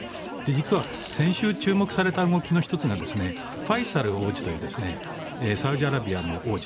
実は先週、注目された動きの１つがファイサル王子というサウジアラビアの王子。